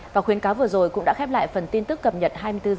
và khuyến cáo vừa rồi cũng đã khép lại phần tin tức cập nhật hai mươi bốn h